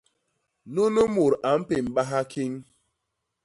Nunu mut a mpémbaha kiñ.